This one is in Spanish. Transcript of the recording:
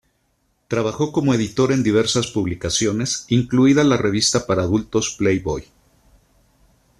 Trabajó como editor en diversas publicaciones, incluida la revista para adultos Playboy.